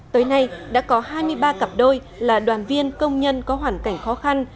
tới nay đã có hai mươi ba cặp đôi là đoàn viên công nhân có hoàn cảnh khó khăn